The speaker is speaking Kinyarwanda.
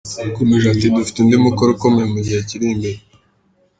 Yakomeje ati “Dufite undi mukoro ukomeye mu gihe kiri imbere.